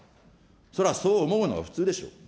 そりゃそう思うのが普通でしょ。